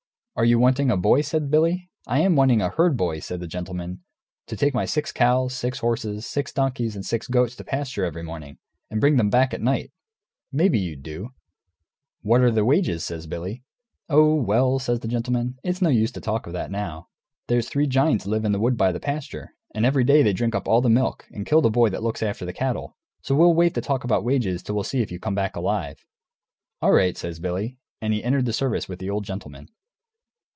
"Are you wanting a boy?" says Billy. "I am wanting a herd boy," says the gentleman, "to take my six cows, six horses, six donkeys, and six goats to pasture every morning, and bring them back at night. Maybe you'd do." "What are the wages?" says Billy. "Oh, well," says the gentleman, "it's no use to talk of that now; there's three giants live in the wood by the pasture, and every day they drink up all the milk and kill the boy that looks after the cattle; so we'll wait to talk about wages till we see if you come back alive." "All right," says Billy, and he entered service with the old gentleman.